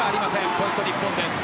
ポイント、日本です。